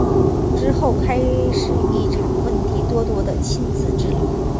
之后开始一场问题多多的亲子之旅。